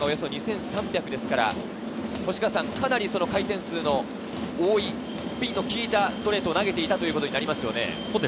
ＮＰＢの平均がおよそ２３００ですから、かなり回転数の多い、スピンの効いたストレートを投げていたことになりますね。